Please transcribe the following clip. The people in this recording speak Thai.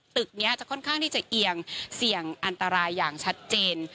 ตึกนี้จะค่อนข้างที่จะเอียงเสี่ยงอันตรายอย่างชัดเจน